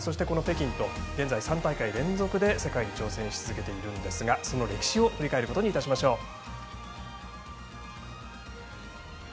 この北京と現在３大会連続で世界に挑戦し続けているんですがその歴史を振り返ることにいたしましょう。